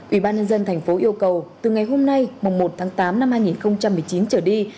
ủy ban nhân dân thành phố yêu cầu từ ngày hôm nay mùng một tháng tám năm hai nghìn một mươi chín trở đi